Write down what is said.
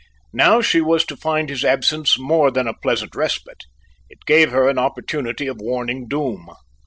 Now she was to find his absence more than a pleasant respite; it gave her an opportunity of warning Doom.